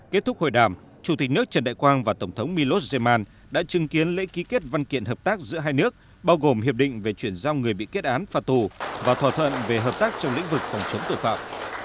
kết thúc hội đàm chủ tịch nước trần đại quang và tổng thống millos jamman đã chứng kiến lễ ký kết văn kiện hợp tác giữa hai nước bao gồm hiệp định về chuyển giao người bị kết án phạt tù và thỏa thuận về hợp tác trong lĩnh vực phòng chống tội phạm